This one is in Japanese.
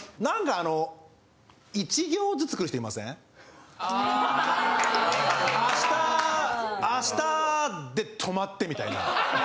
・「あした」「あした」で止まってみたいな。